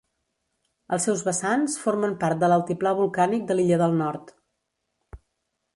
Els seus vessants formen part de l'altiplà volcànic de l'illa del nord.